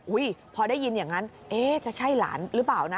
พอได้ยินอย่างนั้นเอ๊ะจะใช่หลานหรือเปล่านะ